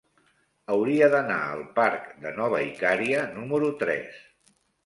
Hauria d'anar al parc de Nova Icària número tres.